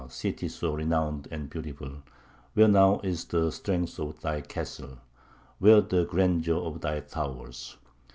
city so renowned and beautiful, where now is the strength of thy castle, where the grandeur of thy towers?